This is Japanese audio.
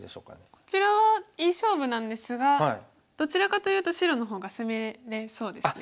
こちらはいい勝負なんですがどちらかというと白の方が攻めれそうですね。